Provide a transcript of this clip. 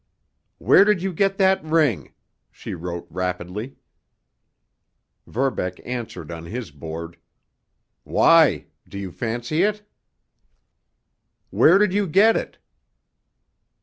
"Where did you get that ring?" she wrote rapidly. Verbeck answered on his board: "Why? Do you fancy it?" "Where did you get it?"